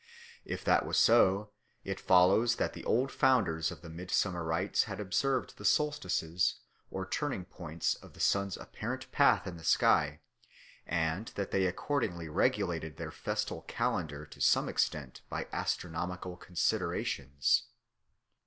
If that was so, it follows that the old founders of the midsummer rites had observed the solstices or turning points of the sun's apparent path in the sky, and that they accordingly regulated their festal calendar to some extent by astronomical considerations.